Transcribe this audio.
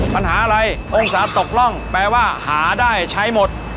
ปัญหาอะไรองศาตกร่องแปลว่าหาได้ใช้หมด